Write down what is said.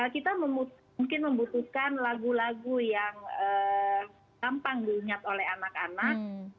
kita memutuskan lagu lagu yang